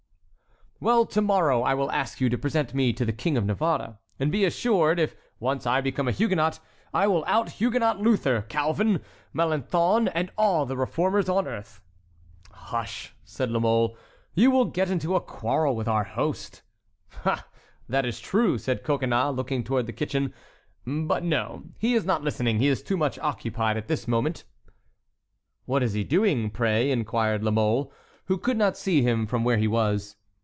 "Well, to morrow I will ask you to present me to the King of Navarre and, be assured, if once I become a Huguenot, I will out Huguenot Luther, Calvin, Melanchthon, and all the reformers on earth!" "Hush!" said La Mole, "you will get into a quarrel with our host." "Ah, that is true," said Coconnas, looking toward the kitchen; "but—no, he is not listening; he is too much occupied at this moment." "What is he doing, pray?" inquired La Mole, who could not see him from where he was.